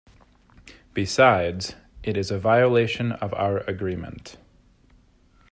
Besides, it is a violation of our agreement.